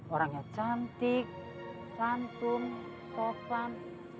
orangnya cantik santun sopan